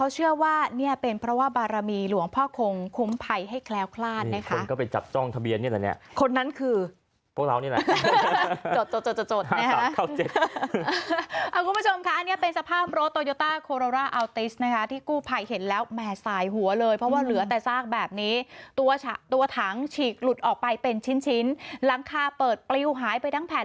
ฉีกหลุดออกไปเป็นชิ้นหลังคาเปิดปลิวหายไปทั้งแผน